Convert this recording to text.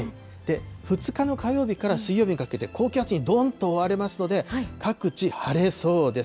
２日の火曜日から水曜日にかけて、高気圧にどんと覆われますので、各地、晴れそうです。